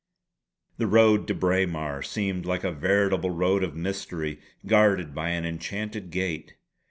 The road to Braemar seemed like a veritable road of mystery, guarded by an enchanted gate.